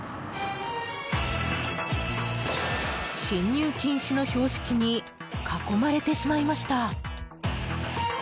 進入禁止の標識に囲まれてしまいました。